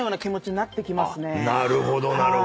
なるほどなるほど。